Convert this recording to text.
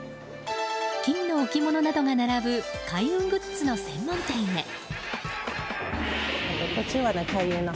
金の置物などが並ぶ開運グッズの専門店へ。